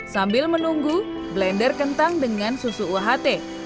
sambil menunggu blender kentang dengan susu uht